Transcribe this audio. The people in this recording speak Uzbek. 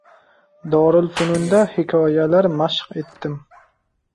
Dorilfununda hikoyalar mashq etdim.